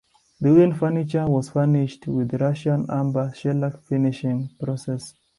The wooden furniture was finished with the Russian amber shellac finishing process.